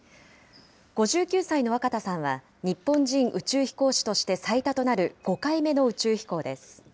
５９歳の若田さんは、日本人宇宙飛行士として最多となる５回目の宇宙飛行です。